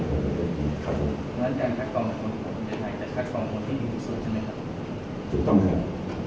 คุณเจมส์ค่ะครับตอนนี้๘คนหรือ๘คนมีใครที่เรารู้ได้ครับ